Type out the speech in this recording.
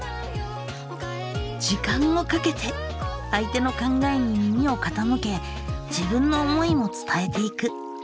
時間をかけて相手の考えに耳をかたむけ自分の思いも伝えていく。